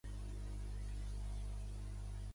Ho idei sense tenir en compte les opinions de cinc-cents.